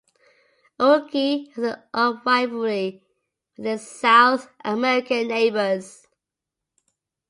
Uruguay has an old rivalry with their South American neighbors.